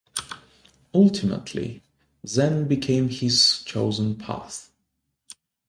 Ultimately, Zen became his chosen path.